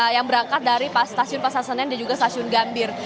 yang berangkat dari stasiun pasar senen dan juga stasiun gambir